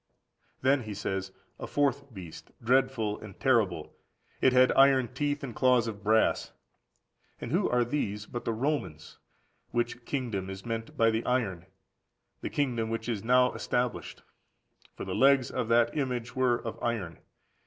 25. Then he says: "A fourth beast, dreadful and terrible; it had iron teeth and claws of brass." And who are these but the Romans? which (kingdom) is meant by the iron—the kingdom which is now established; for the legs of that (image) were of iron.